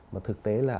mà thực tế là